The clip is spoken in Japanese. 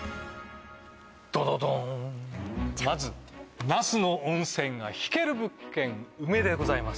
ドドドーンまずジャン那須の温泉が引ける物件梅でございます